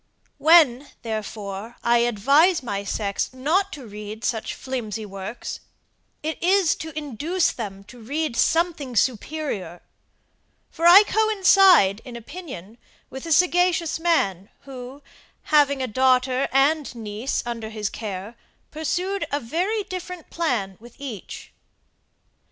When, therefore, I advise my sex not to read such flimsy works, it is to induce them to read something superior; for I coincide in opinion with a sagacious man, who, having a daughter and niece under his care, pursued a very different plan with each.